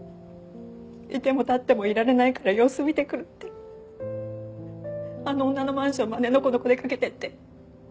「いてもたってもいられないから様子見てくる」ってあの女のマンションまでのこのこ出かけていって。